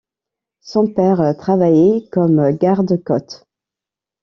Son père travaillait comme garde-côte.